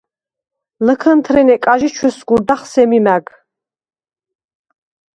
ლჷქჷნთრინე კაჟი ჩვესგურდახ სემი მა̈გ.